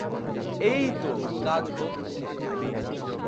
এইতো কাজ হচ্ছে!